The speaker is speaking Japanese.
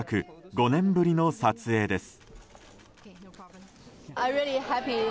５年ぶりの撮影です。